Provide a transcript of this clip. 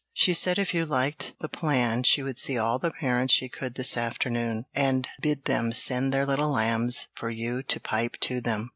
She said if you liked the plan she would see all the parents she could this afternoon, and bid them send their little lambs for you to pipe to them."